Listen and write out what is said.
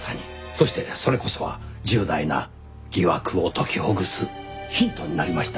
そしてそれこそが重大な疑惑を解きほぐすヒントになりました。